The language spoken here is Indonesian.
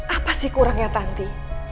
apa sih kurangnya tanti